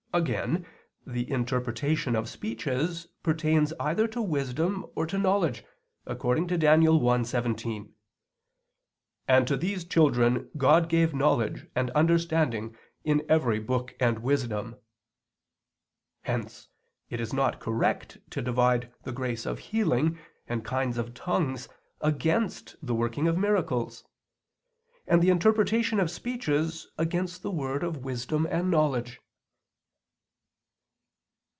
Again, the interpretation of speeches pertains either to wisdom or to knowledge, according to Dan. 1:17: "And to these children God gave knowledge and understanding in every book and wisdom." Hence it is not correct to divide the grace of healing and kinds of tongues against the working of miracles; and the interpretation of speeches against the word of wisdom and knowledge.